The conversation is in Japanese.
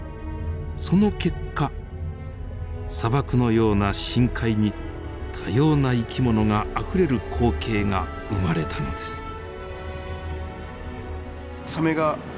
その結果砂漠のような深海に多様な生き物があふれる光景が生まれたのです。